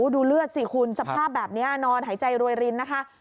ดูเลือดสิคุณสภาพแบบนี้นอนหายใจรวยรินนะคะ